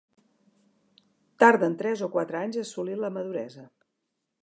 Tarden tres o quatre anys a assolir la maduresa.